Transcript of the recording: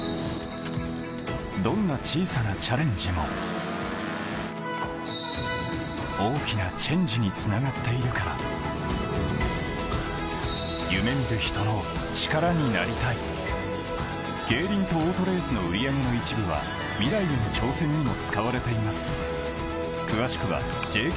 どんな小さなチャレンジも大きなチェンジにつながっているから夢見る人の力になりたい競輪とオートレースの売り上げの一部はミライへの挑戦にも使われています